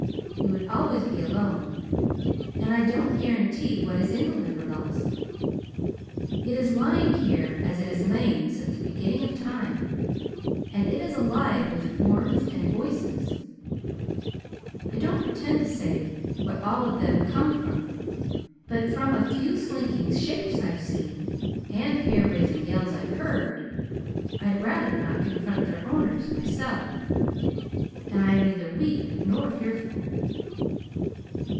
You would always be alone, and I don't guarantee what is in the Limberlost. It is lying here as it has lain since the beginning of time, and it is alive with forms and voices. I don't pretend to say what all of them come from; but from a few slinking shapes I've seen, and hair raising yells I've heard, I'd rather not confront their owners myself; and I am neither weak nor fearful.